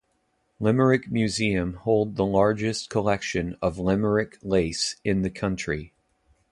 Limerick Museum hold the largest collection of Limerick Lace in the country.